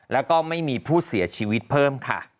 แล้วก็ไม่มีผู้เสียชีวิตเพิ่มค่ะ